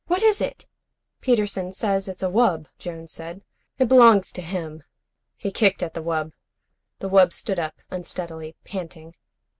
"What is it?" "Peterson says it's a wub," Jones said. "It belongs to him." He kicked at the wub. The wub stood up unsteadily, panting.